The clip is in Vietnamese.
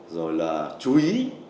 rồi là chú ý